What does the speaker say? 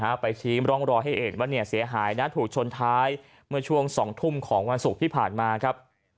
ก็ไปทรีมร่องรอให้เอกว่าเสียหายถูกชนท้ายเมื่อช่วง๒ทุ่มของวันศุกร์ที่ผ่านมา